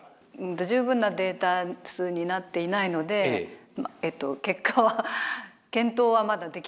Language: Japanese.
十分なデータ数になっていないので結果は検討はまだできていない。